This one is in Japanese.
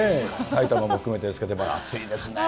埼玉も含めてですけど、暑いですね。